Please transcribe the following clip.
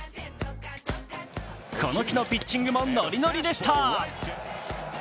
この日のピッチングもノリノリでした。